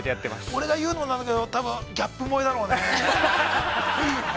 ◆俺が言うのもなんだけど多分ギャップ萌えだろうね。